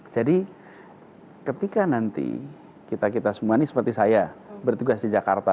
jadi ketika nanti kita kita semua ini seperti saya bertugas di jakarta